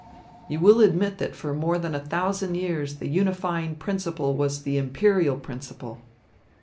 You will admit that for more than a thousand years, the unifying principle was the imperial principle.